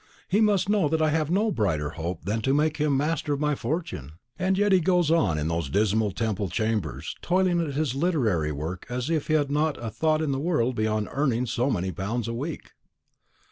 He must know that I have no brighter hope than to make him the master of my fortune; and yet he goes on in those dismal Temple chambers, toiling at his literary work as if he had not a thought in the world beyond earning so many pounds a week."